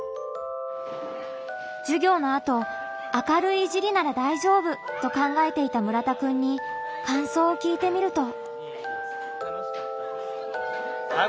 授業のあと「明るいいじりなら大丈夫」と考えていた村田くんにかんそうを聞いてみると。